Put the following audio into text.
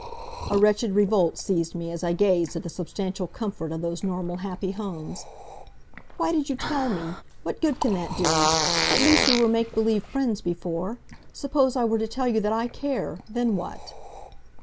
A wretched revolt seized me as I gazed at the substantial comfort of those normal, happy homes. "Why did you tell me! What good can that do? At least we were make believe friends before. Suppose I were to tell you that I care, then what."